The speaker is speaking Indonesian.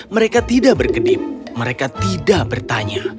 mereka tidak berkedip mereka tidak bertanya